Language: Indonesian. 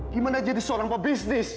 gimana jadi seorang pebisnis